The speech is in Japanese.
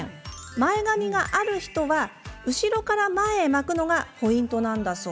前髪がある人は、後ろから前へ巻くのがポイントなんだそう。